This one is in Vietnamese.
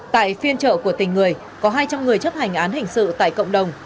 tại phiên trợ của tình người có hai trăm linh người chấp hành án hình sự tại cộng đồng